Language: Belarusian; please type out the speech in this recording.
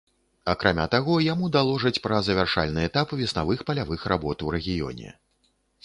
Акрамя таго, яму даложаць пра завяршальны этап веснавых палявых работ у рэгіёне.